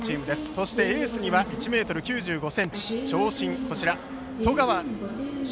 そしてエースには１ｍ９５ｃｍと長身の十川奨